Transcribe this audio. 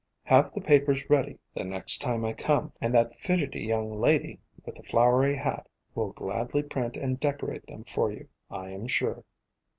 Have the papers ready the next time I come, and that 1 fidgety young lady ' with the flowery hat will gladly print and decorate them for you, I am sure."